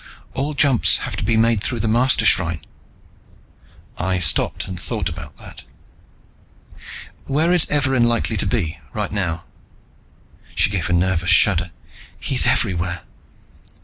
"All jumps have to be made through the Mastershrine." I stopped and thought about that. "Where is Evarin likely to be, right now?" She gave a nervous shudder. "He's everywhere!"